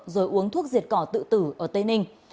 rồi uống thuốc diệt cỏ tự tử ở tây ninh